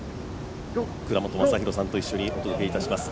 倉本昌弘さんと一緒にお届けします。